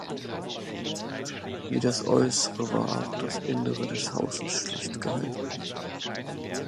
Wie das Äußere war auch das Innere des Hauses schlicht gehalten.